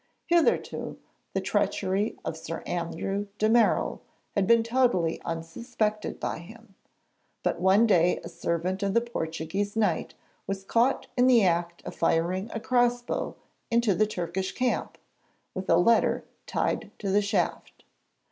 Hitherto the treachery of Sir Andrew de Merall had been totally unsuspected by him, but one day a servant of the Portuguese Knight was caught in the act of firing a cross bow into the Turkish camp, with a letter tied to the shaft.